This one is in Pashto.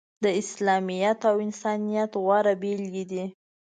د اسلامیت او انسانیت غوره بیلګې دي.